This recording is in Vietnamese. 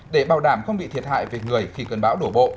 để bảo đảm không bị thiệt hại về người khi cơn bão đổ bộ